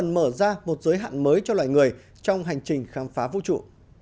một giới hạn mới cho loài người trong hành trình khám phá vũ trụ